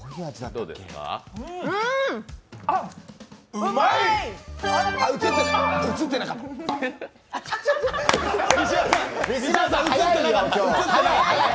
うまい三島さん、映ってなかった。